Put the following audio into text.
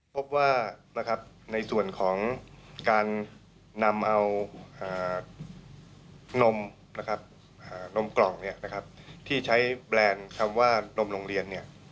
พบว่าในส่วนของการนำเอานมกล่องที่ใช้แบรนด์คำว่านมโรงเรียน